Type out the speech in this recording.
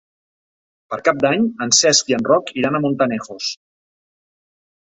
Per Cap d'Any en Cesc i en Roc iran a Montanejos.